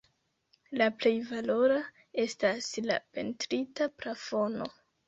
La plej valora estas la pentrita plafono.